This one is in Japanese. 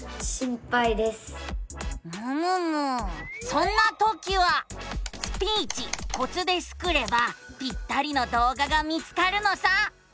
そんなときは「スピーチコツ」でスクればぴったりの動画が見つかるのさ。